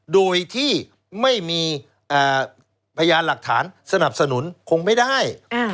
โดยที่ไม่มีพยานหลักฐานสนับสนุนคงไม่ได้